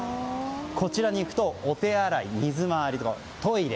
こちらに行くと、お手洗い水回り、トイレ